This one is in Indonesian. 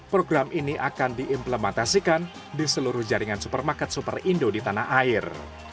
program ini akan diimplementasikan di seluruh jaringan supermarket super indo di tanah air